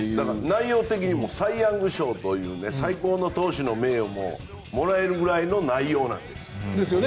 内容的にもサイ・ヤング賞という最高の投手の名誉ももらえるぐらいの内容なんです。